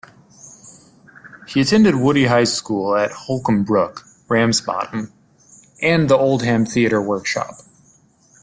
He attended Woodhey High School at Holcombe Brook, Ramsbottom, and the Oldham Theatre Workshop.